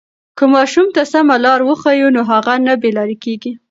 که ماشوم ته سمه لاره وښیو نو هغه نه بې لارې کېږي.